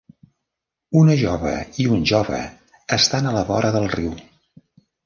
Una jove i un jove estan a la vora del riu.